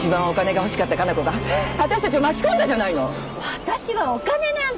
私はお金なんて。